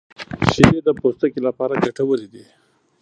• شیدې د پوستکي لپاره ګټورې دي.